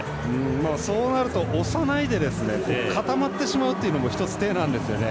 そうなると、押さないで固まってしまうというのも一つ、手なんですよね。